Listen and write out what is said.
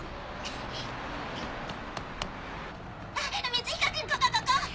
光彦くんここここ！